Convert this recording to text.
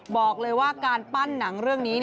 บอกเลยว่าการปั้นหนังเรื่องนี้